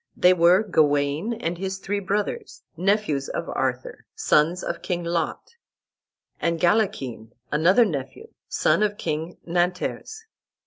They were Gawain and his three brothers, nephews of Arthur, sons of King Lot, and Galachin, another nephew, son of King Nanters.